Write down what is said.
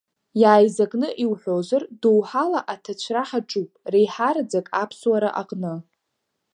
Иааизакны иуҳәозар, доуҳала аҭацәра ҳаҿуп, реиҳараӡак аԥсуара аҟны.